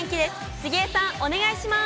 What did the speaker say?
杉江さん、お願いします。